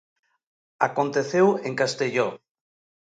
Aconteceu en Castelló.